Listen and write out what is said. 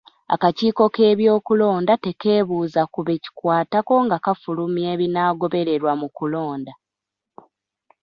Akakiiko k'ebyokulonda tekeebuuza ku be kikwatako nga kafulumya ebinaagobereerwa mu kulonda.